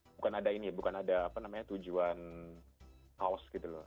bukan ada ini bukan ada apa namanya tujuan haus gitu loh